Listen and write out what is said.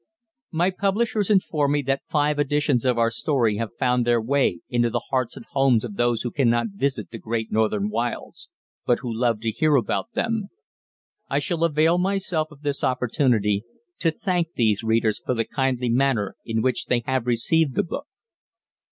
My publishers inform me that five editions of our story have found their way into the hearts and homes of those who cannot visit the great northern wilds, but who love to hear about them. I shall avail myself of this opportunity to thank these readers for the kindly manner in which they have received the book.